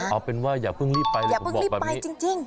เอาเป็นว่าอย่าเพิ่งรีบไปเลยอย่าเพิ่งรีบไปจริง